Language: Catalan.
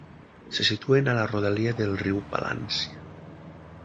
Se situen a la rodalia del riu Palància.